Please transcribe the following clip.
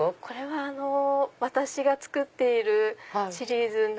これは私が作っているシリーズ。